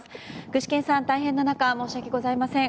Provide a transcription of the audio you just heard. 具志堅さん、大変な中申し訳ございません。